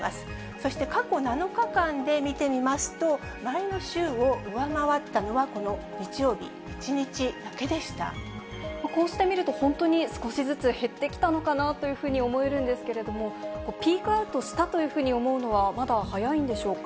そして過去７日間で見てみますと、前の週を上回ったのは、この日曜日、こうして見ると、本当に少しずつ減ってきたのかなというふうに思えるんですけども、ピークアウトしたというふうに思うのは、まだ早いんでしょうか。